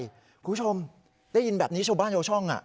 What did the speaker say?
คุณผู้ชมได้ยินแบบนี้ชาวบ้านชาวช่อง